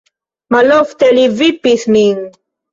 Malofte li vipis min.